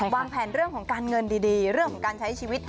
วางแผนเรื่องของการเงินดีเรื่องของการใช้ชีวิต